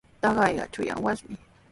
Taqayqa chunyaq wasimi.